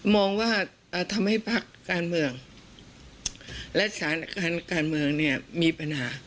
มองว่าทำให้ภาคการเมืองและศาลการเมืองเนี่ยมีปัญหา